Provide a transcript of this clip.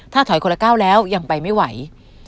ถ้าถอยคนละก้าวแล้วยังไปไม่ไหว